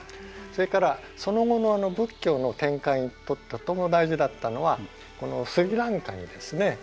それからその後の仏教の展開にとても大事だったのはこのスリランカにですね